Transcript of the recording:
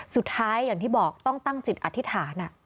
สุดท้ายอย่างที่บอกต้องตั้งจิตอธิษฐาน